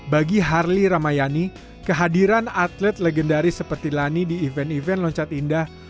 bagi harley ramayani kehadiran atlet legendaris seperti lani di event event loncat indah